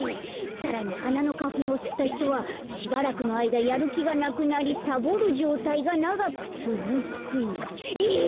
さらにはなのかふんをすったひとはしばらくのあいだやるきがなくなりサボるじょうたいがながくつづく。え！？